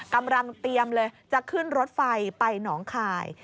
กำลังเตรียมเลยจะขึ้นรถไฟไปหนองคาย